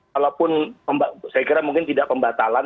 walaupun saya kira mungkin tidak pembatalan